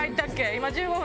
今１５分。